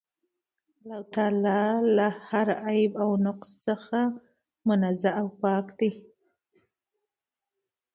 الله تعالی له هر عيب او نُقص څخه منزَّه او پاك دی